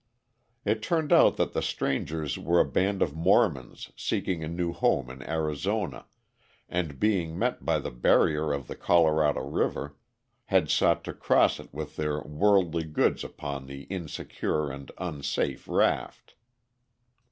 It turned out that the strangers were a band of Mormons seeking a new home in Arizona, and, being met by the barrier of the Colorado River, had sought to cross it with their worldly goods upon the insecure and unsafe raft.